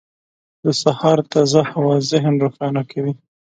• د سهار تازه هوا ذهن روښانه کوي.